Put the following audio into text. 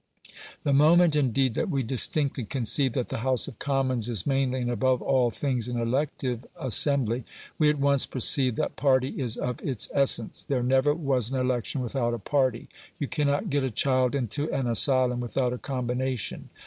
The moment, indeed, that we distinctly conceive that the House of Commons is mainly and above all things an elective assembly, we at once perceive that party is of its essence. There never was an election without a party. You cannot get a child into an asylum without a combination.